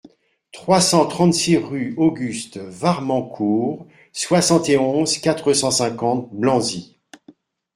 trois cent trente-six rue Auguste Varmancourt, soixante et onze, quatre cent cinquante, Blanzy